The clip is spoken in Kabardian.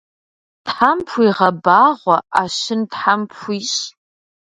Тхьэм пхуигъэбагъуэ, ӏэщын тхьэм пхуищӏ.